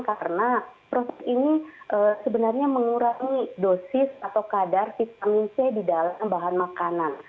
karena proses ini sebenarnya mengurangi dosis atau kadar vitamin c di dalam bahan makanan